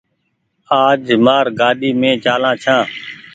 آج مآر گآڏي مين چآلآن ڇآن۔